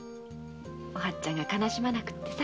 お初ちゃんが悲しまなくってさ。